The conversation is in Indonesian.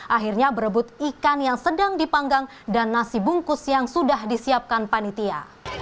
akhirnya berebut ikan yang sedang dipanggang dan nasi bungkus yang sudah disiapkan panitia